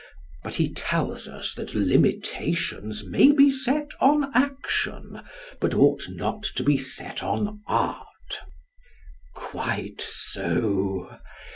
But he tells us that limitations may be set on action but ought not to be set on art. Quite so.